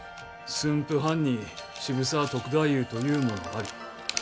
「駿府藩に渋沢篤太夫というものあり。